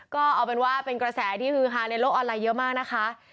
ก็เอาเป็นว่าเป็นกระแสที่ฮือฮาในโลกออนไลน์เยอะมากนะคะ